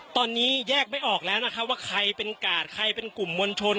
ตอนนี้แยกไม่ออกแล้วนะครับว่าใครเป็นกาดใครเป็นกลุ่มมวลชน